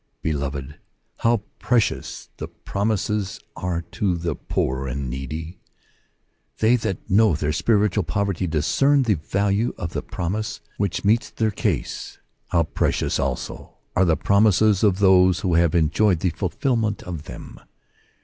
Beloved, how precious the promises are to the poor and needy ! They that know their spiritual poverty discern the value of the promise which meets their case. How precious, also, are the promises, to those who have enjoyed the fulfilment of them